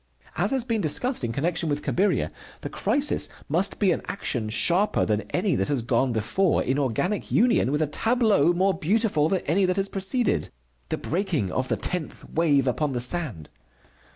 As has been discussed in connection with Cabiria, the crisis must be an action sharper than any that has gone before in organic union with a tableau more beautiful than any that has preceded: the breaking of the tenth wave upon the sand.